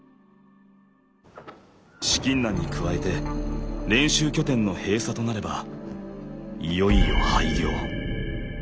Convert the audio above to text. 資金難に加えて練習拠点の閉鎖となればいよいよ廃業。